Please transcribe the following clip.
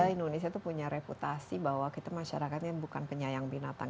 indonesia itu punya reputasi bahwa kita masyarakatnya bukan penyayang binatang